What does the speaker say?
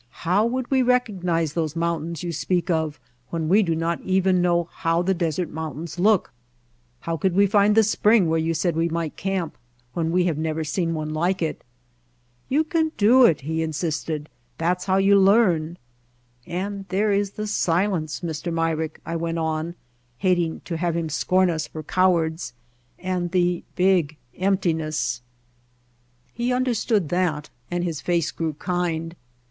How would we recognize those mountains you speak of when we do not even know how the desert mountains look? How could we find the spring where you say we might camp when we have never seen one like it?" "You can do it," he insisted, "that's how you learn." "And there is the silence, Mr. Myrick," I went on, hating to have him scorn us for cow ards, "and the big emptiness." He understood that and his face grew kind.